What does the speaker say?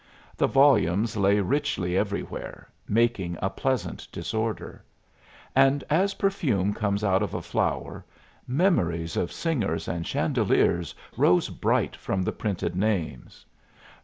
The volumes lay richly everywhere, making a pleasant disorder; and as perfume comes out of a flower, memories of singers and chandeliers rose bright from the printed names.